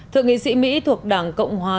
thượng nghị sĩ mỹ thuộc đảng cộng hòa